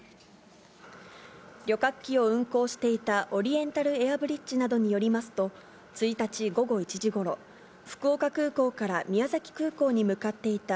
旅客機を運航していたオリエンタルエアブリッジなどによりますと、１日午後１時ごろ、福岡空港から宮崎空港に向かっていた